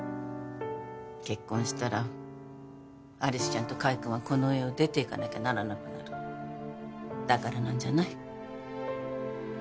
結婚したら有栖ちゃんと海くんはこの家を出ていかなきゃならなくなるだからなんじゃない？